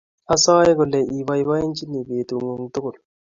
Asae kole ibaibaichini betungung tugul